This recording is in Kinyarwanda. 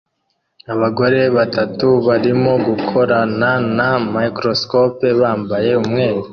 Abagore batatu barimo gukorana na microscopes bambaye umweru